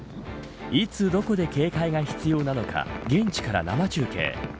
いつどこで警戒が必要なのか現地から生中継